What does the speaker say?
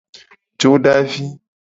Jodavi.